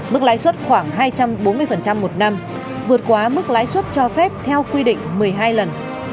mức lãi suất khoảng hai trăm bốn mươi một năm vượt quá mức lãi suất cho phép theo quy định một mươi hai lần